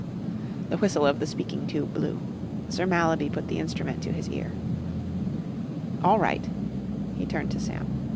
The whistle of the speaking tube blew. Sir Mallaby put the instrument to his ear. "All right," he turned to Sam.